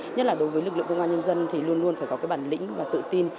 nhất là đối với lực lượng công an nhân dân thì luôn luôn phải có cái bản lĩnh và tự tin